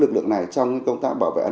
lực lượng này trong công tác bảo vệ an